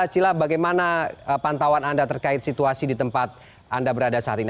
cila bagaimana pantauan anda terkait situasi di tempat anda berada saat ini